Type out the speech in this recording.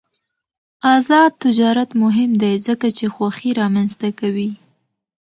آزاد تجارت مهم دی ځکه چې خوښي رامنځته کوي.